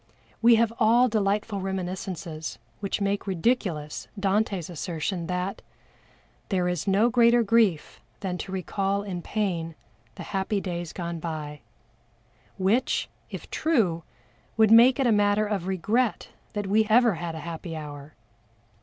We have all delightful reminiscences which make ridiculous Dante's assertion that "There is no greater grief than to recall in pain The happy days gone by;" which, if true, would make it a matter of regret that we ever had a happy hour.